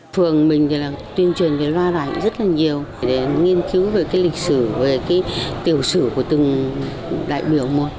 phường mình tuyên truyền về loa đại rất là nhiều để nghiên cứu về lịch sử về tiểu sử của từng đại biểu một